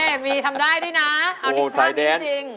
นี่มีทำได้ดีนะของนายเอง